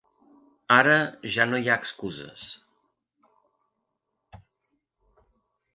Ara ja no hi ha excuses.